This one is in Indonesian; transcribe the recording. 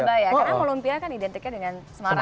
karena lumpia kan identiknya dengan semarang ya